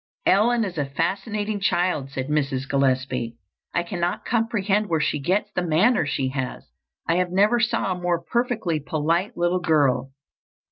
"Ellen is a fascinating child," said Mrs. Gillespie, "I cannot comprehend where she gets the manners she has. I never saw a more perfectly polite little girl."